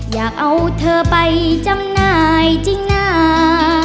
อยากเอาเธอไปจำหน่ายจริงนะ